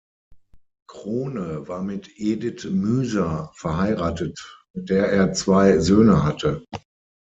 Krohne war mit "Edith Müser" verheiratet, mit der er zwei Söhne hatte.